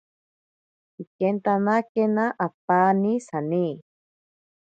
Ikentanakena apaani sani.